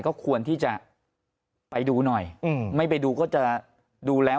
ก็ควรที่จะไปดูหน่อยไม่ไปดูก็จะดูแล้ว